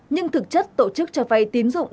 nhưng thực chất tổ chức cho vay tiến dụng